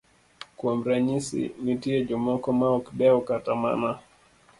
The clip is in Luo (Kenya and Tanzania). Kuom ranyisi, nitie jomoko maok dew kata mana